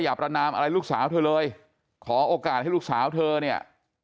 ประนามอะไรลูกสาวเธอเลยขอโอกาสให้ลูกสาวเธอเนี่ย